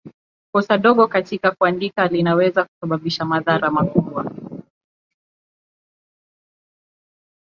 Kosa dogo katika kuandika linaweza kusababisha madhara makubwa.